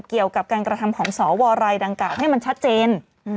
เกี่ยวกับการกระทำของสวรายดังกล่าวให้มันชัดเจน